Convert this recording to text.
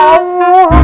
gak boleh susah campur